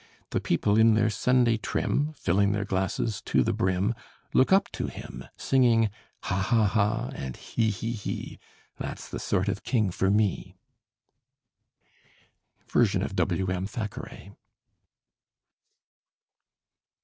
The people in their Sunday trim, Filling their glasses to the brim, Look up to him, Singing "ha, ha, ha!" and "he, he, he! That's the sort of king for me." Version of W.M. Thackeray.